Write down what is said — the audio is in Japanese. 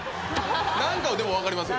何かはでも分かりますよね。